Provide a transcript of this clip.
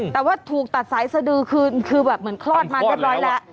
แต่ว่าถูกตัดสายสดือคือแบบเหมือนคลอดมาเรียบร้อยแล้ว